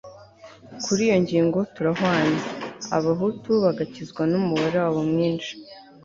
kuri iyo ngingo turahwanye, abahutu bagakizwa n'umubare wabo mwinshi